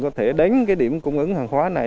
có thể đến cái điểm cung ứng hàng hóa này